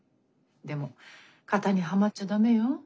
でも型にはまっちゃダメよ。